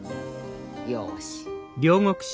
よし。